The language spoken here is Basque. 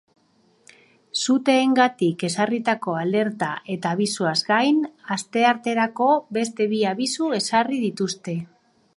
Suteengatik ezarritako alerta eta abisuaz gain, astearterako beste bi abisu ezarri dituzte.